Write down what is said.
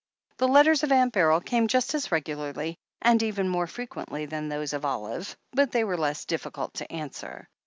The letters of Aunt Beryl came just as regularly, and even more frequently than those of Olive, but they were less difficult to answer.